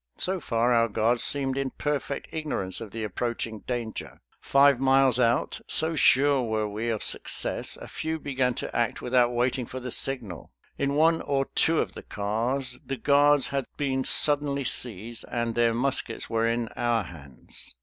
So far our guards seemed in perfect ignorance of the approaching danger. Five miles out, so sure were we of success, a few began to act without waiting for the signal. In one or two of the cars the guards had been suddenly seized and their muskets were in our hands.